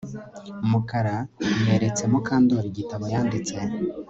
Mukara yeretse Mukandoli igitabo yanditse